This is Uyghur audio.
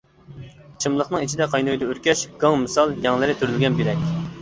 جىملىقنىڭ ئىچىدە قاينايدۇ ئۆركەش، گاڭ مىسال، يەڭلىرى تۈرۈلگەن بىلەك.